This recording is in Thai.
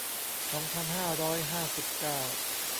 สองพันห้าร้อยห้าสิบเก้า